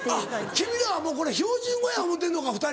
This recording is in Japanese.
君らはもうこれ標準語や思うてんのか２人。